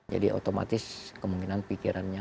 jadi otomatis kemungkinan pikirannya